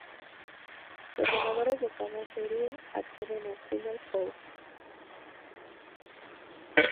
Los ganadores de cada serie acceden al Final Four.